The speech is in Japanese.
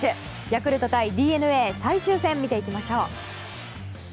ヤクルト対ＤｅＮＡ最終戦見ていきましょう。